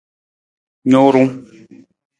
Nurung.